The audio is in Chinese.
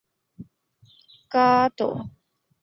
伊西多鲁少校镇是巴西阿拉戈斯州的一个市镇。